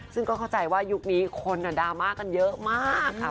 ซึ่งก็เข้าใจว่ายุคนี้คนดราม่ากันเยอะมากค่ะ